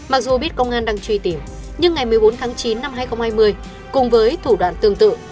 mặc dù biết công an đang truy tìm nhưng ngày một mươi bốn tháng chín năm hai nghìn hai mươi cùng với thủ đoạn tương tự